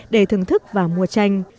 để thưởng thức và mua tranh